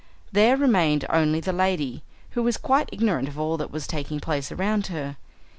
There remained only the lady, who was quite ignorant of all that was taking place around her.